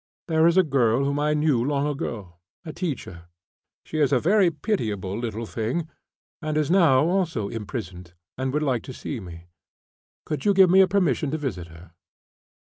"There's a girl whom I knew long ago, a teacher; she is a very pitiable little thing, and is now also imprisoned, and would like to see me. Could you give me a permission to visit her?"